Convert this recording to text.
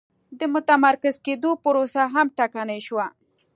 د متمرکز کېدو پروسه هم ټکنۍ شوه.